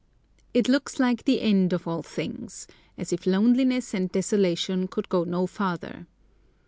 It looks like the end of all things, as if loneliness and desolation could go no farther.